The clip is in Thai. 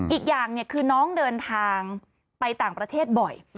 อีกอย่างคือน้องเดินทางไปต่างประเทศบ่อย